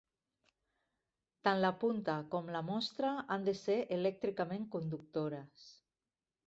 Tant la punta com la mostra han de ser elèctricament conductores.